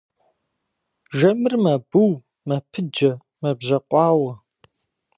Жэмыр мэбу, мэпыджэ, мэбжьэкъуауэ.